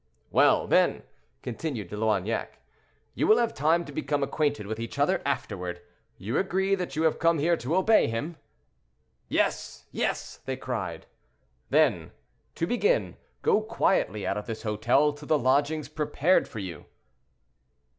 "Well, then!" continued De Loignac, "you will have time to become acquainted with each other afterward. You agree that you have come here to obey him?" "Yes, yes," they cried. "Then, to begin; go quietly out of this hotel to the lodgings prepared for you."